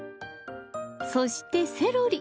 そしてセロリ。